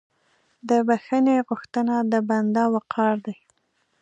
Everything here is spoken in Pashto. د بخښنې غوښتنه د بنده وقار دی.